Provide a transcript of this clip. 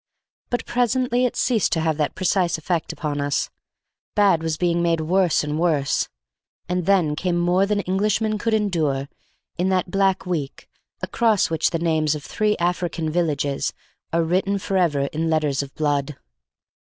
But presently it ceased to have that precise effect upon us. Bad was being made worse and worse; and then came more than Englishmen could endure in that black week across which the names of three African villages are written forever in letters of blood.